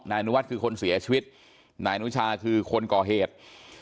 นายอนุวัฒน์คือคนเสียชีวิตนายอนุชาคือคนก่อเหตุ